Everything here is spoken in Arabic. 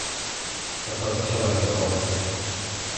لقد تحرك توم.